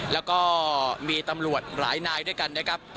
แล้วก็มีตำรวจหลายนายด้วยกันนะครับ